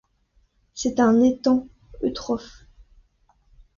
C'est un étang eutrophe.